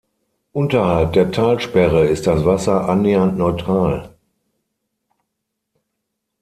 Unterhalb der Talsperre ist das Wasser annähernd neutral.